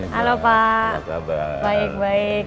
halo pak baik baik